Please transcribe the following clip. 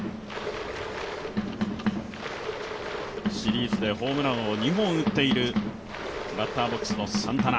シリーズでホームランを２本打っている、バッターボックスのサンタナ。